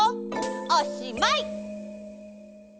おしまい！